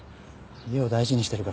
家を大事にしてるから。